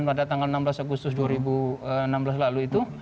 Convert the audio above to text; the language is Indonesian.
pada tanggal enam belas agustus dua ribu enam belas lalu itu